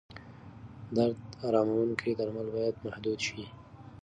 درد اراموونکي درمل باید محدود شي.